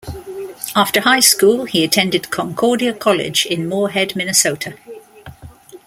After high school he attended Concordia College in Moorhead, Minnesota.